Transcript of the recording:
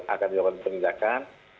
akan dilakukan penindakan